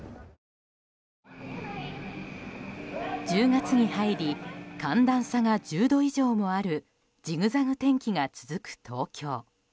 １０月に入り寒暖差が１０度以上もあるジグザグ天気が続く東京。